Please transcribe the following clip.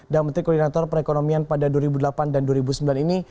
dan menteri koordinator perekonomian pada dua ribu delapan dan dua ribu sembilan ini